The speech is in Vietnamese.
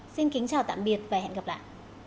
xin kính chào tạm biệt và hẹn gặp lại